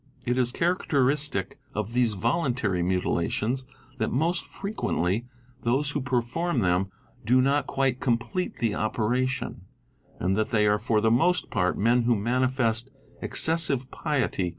It 1s characteristic of these yoluntary mutilations that most frequently those who perform them do not quite complete the operation, and that they are for the most part 'men who manifest excessive piety4?"